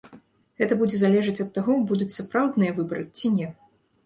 Гэта будзе залежаць ад таго, будуць сапраўдныя выбары ці не.